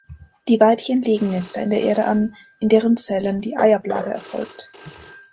Die Weibchen legen Nester in der Erde an, in deren Zellen die Eiablage erfolgt.